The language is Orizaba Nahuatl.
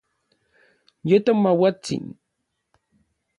Ye tomauatsin.